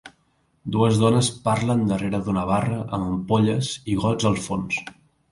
Dues dones parlen darrere d'una barra amb ampolles i gots al fons.